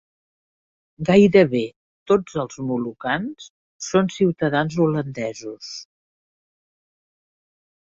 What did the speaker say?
Gairebé tots els molucans són ciutadans holandesos.